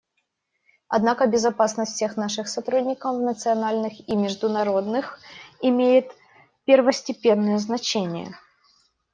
Однако безопасность всех наших сотрудников, национальных и международных, имеет первостепенное значение.